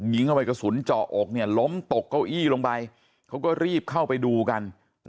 ยิงไปเกราะสลงจอกเก้าอี้ลยลงไปเขาก็รีบเข้าไปดูกัน